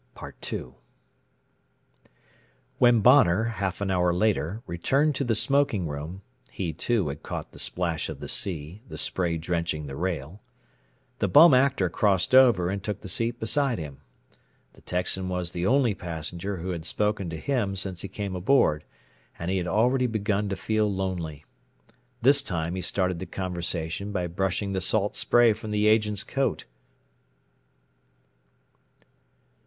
II When Bonner, half an hour later, returned to the smoking room (he, too, had caught the splash of the sea, the spray drenching the rail), the Bum Actor crossed over and took the seat beside him. The Texan was the only passenger who had spoken to him since he came aboard, and he had already begun to feel lonely. This time he started the conversation by brushing the salt spray from the Agent's coat.